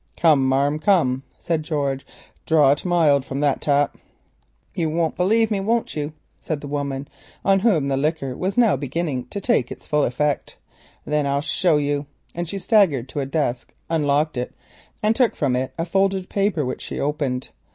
"Come, marm, come," said George, "draw it mild from that tap." "You won't believe me, won't you?" said the woman, on whom the liquor was now beginning to take its full effect; "then I'll show you," and she staggered to a desk, unlocked it and took from it a folded paper, which she opened.